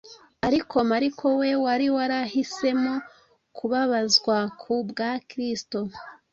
Ariko Mariko we wari warahisemo kubabazwa ku bwa Kristo,